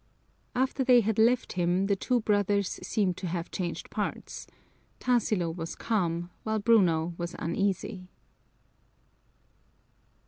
After they had left him the two brothers seemed to have changed parts Tarsilo was calm, while Bruno was uneasy.